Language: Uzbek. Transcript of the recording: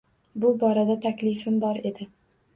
Bu borada taklifim bor edi.